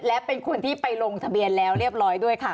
และเป็นคนที่ไปลงทะเบียนแล้วเรียบร้อยด้วยค่ะ